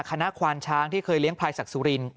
ควานช้างที่เคยเลี้ยงพลายศักดิ์สุริน